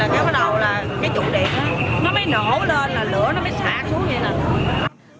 thì là cái chủ điện nó mới nổ lên là lửa nó mới xả xuống như thế này